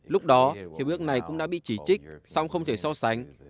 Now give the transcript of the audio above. lúc đó hiệp ước này cũng đã bị chỉ trích song không thể so sánh